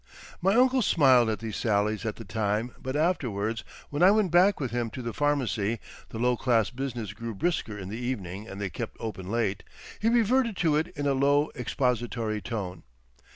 My uncle smiled at these sallies at the time, but afterwards, when I went back with him to the Pharmacy—the low class business grew brisker in the evening and they kept open late—he reverted to it in a low expository tone.